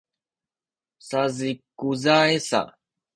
sazikuzay sa